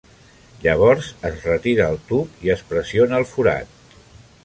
Llavors es retira el tub i es pressiona el forat.